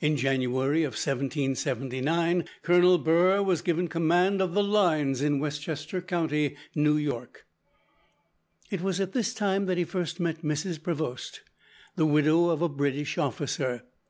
In January of 1779, Colonel Burr was given command of the "lines" in Westchester County, New York. It was at this time that he first met Mrs. Prevost, the widow of a British officer.